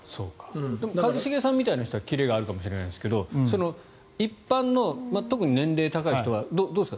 一茂さんみたいな人は切れがあるかもしれないですけど一般の特に年齢の高い人はどうですか？